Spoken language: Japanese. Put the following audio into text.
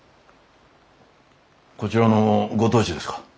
こちらのご当主ですか？